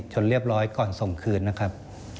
เรียบร้อยก่อนส่งคืนนะครับ